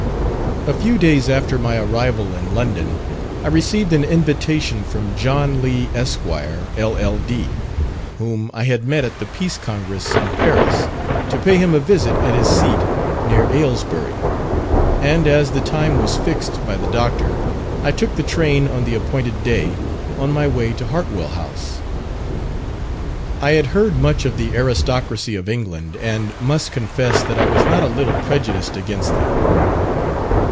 A few days after my arrival in London, I received an invitation from John Lee, Esq., LL.D., whom I had met at the Peace Congress in Paris, to pay him a visit at his seat, near Aylesbury; and as the time was "fixed" by the Dr., I took the train on the appointed day, on my way to Hartwell House. I had heard much of the aristocracy of England, and must confess that I was not a little prejudiced against them.